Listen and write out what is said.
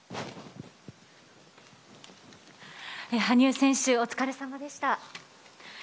羽生選手、お疲れさまでした。